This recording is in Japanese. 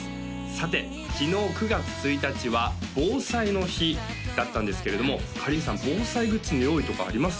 さて昨日９月１日は防災の日だったんですけれどもかりんさん防災グッズの用意とかあります？